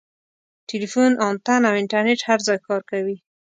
ټیلیفون انتن او انټرنیټ هر ځای کار کوي.